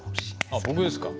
あっ僕ですか？